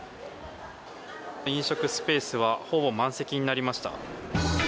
飲食スペースはほぼ満席になりました。